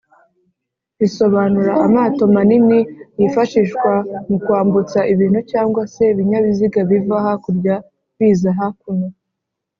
risobanura amato manini yifashishwa mu kwambutsa ibintu cg se Ibinyabiziga biva hakurya biza hakuno